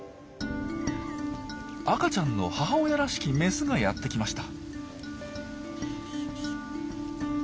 赤ちゃんの母親らしきメスがやって来ました。